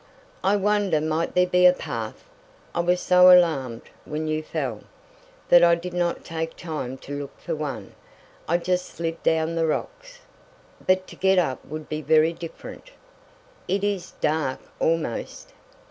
"I wonder might there be a path? I was so alarmed when you fell, that I did not take time to look for one, I just slid down the rocks. But to get up would be very different." "It is dark, almost.